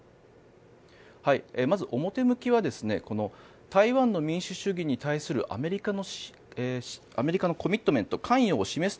まず表向きはこの台湾の民主主義に対するアメリカのコミットメント関与を示す